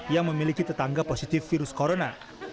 yang memiliki tetangga positif virus corona